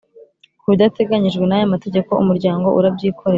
Ku bidateganyijwe n aya mategeko Umuryango urabyikorera